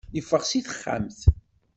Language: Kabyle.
Yeffeɣ si texxamt.